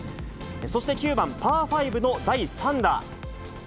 そして９番パー５の第３打。